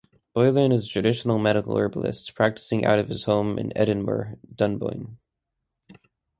Boylan is a traditional medical herbalist practicing out of his home at Edenmore, Dunboyne.